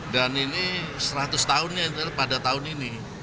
dan ini seratus tahunnya pada tahun ini